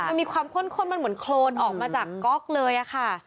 มันมีความข้นมันเหมือนโครนออกมาจากก๊อกเลยค่ะ